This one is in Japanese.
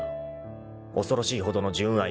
［恐ろしいほどの純愛。